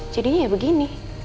jadinya ya begini